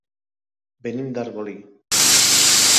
Venim d'Arbolí.